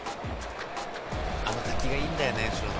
「あの滝がいいんだよね後ろの」